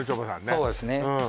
そうですね